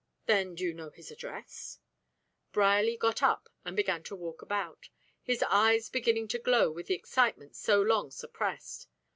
"Then, do you know his address?" Brierly got up and began to walk about, his eyes beginning to glow with the excitement so long suppressed.